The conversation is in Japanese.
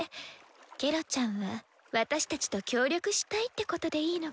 ケロちゃんは私たちと「協力したい」ってことでいいのかしら？